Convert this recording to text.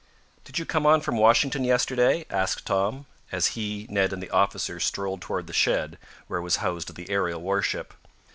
"Did you come on from Washington yesterday?" asked Tom, as he, Ned and the officer strolled toward the shed where was housed the aerial warship.